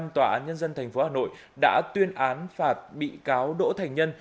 tòa án nhân dân tp hà nội đã tuyên án phạt bị cáo đỗ thành nhân